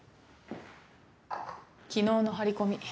昨日の張り込み。